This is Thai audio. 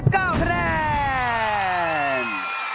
๒๗๙คะแนน